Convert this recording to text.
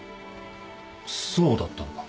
そうだったのか。